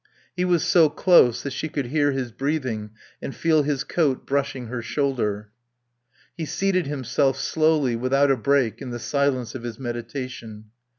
He was so close that she could hear his breathing and feel his coat brushing her shoulder. He seated himself, slowly, without a break in the silence of his meditation.